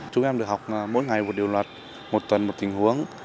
chúng em được học mỗi ngày một điều luật một tuần một tình huống